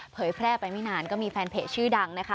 แพร่ไปไม่นานก็มีแฟนเพจชื่อดังนะคะ